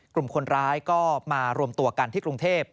กลุ่มคนร้ายก็มารวมตัวกันที่กรุงเทพ